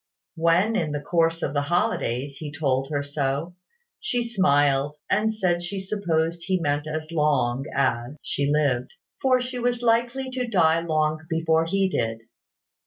When, in the course of the holidays, he told her so, she smiled, and said she supposed he meant as long as she lived; for she was likely to die long before he did.